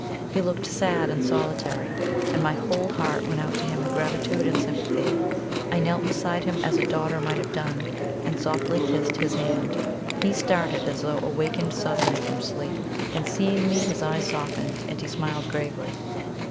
He looked sad and solitary, and my whole heart went out to him in gratitude and sympathy. I knelt beside him as a daughter might have done, and softly kissed his hand. He started as though awakened suddenly from sleep, and seeing me, his eyes softened, and he smiled gravely.